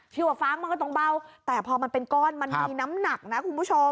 ชื่อว่าฟ้างมันก็ต้องเบาแต่พอมันเป็นก้อนมันมีน้ำหนักนะคุณผู้ชม